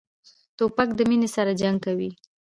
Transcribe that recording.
توپک له مینې سره جنګ کوي.